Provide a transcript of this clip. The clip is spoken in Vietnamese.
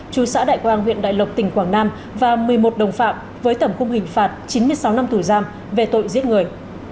chú xã đại quang huyện đại lộc tỉnh quảng nam và một mươi một đồng phạm với tẩm khung hình phạt chín mươi sáu năm tù giam về tội giết người